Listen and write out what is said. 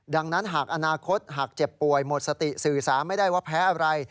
ดังนั้นหากอนาคตหากเจ็บป่วยหมดสติสื่อสารไม่ได้ว่าแพ้อะไร